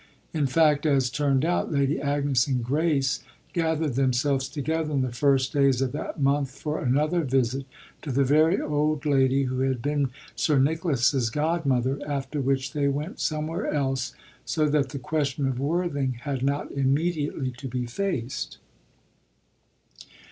In fact, as turned out, Lady Agnes and Grace gathered themselves together in the first days of that month for another visit to the very old lady who had been Sir Nicholas's godmother; after which they went somewhere else so that the question of Worthing had not immediately to be faced.